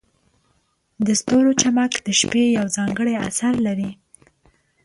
د ستورو چمک د شپې یو ځانګړی اثر لري.